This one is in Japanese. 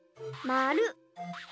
まる。